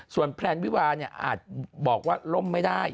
ส่วนแพลนวิวาเนี่ยอาจบอกว่าล่มไม่ได้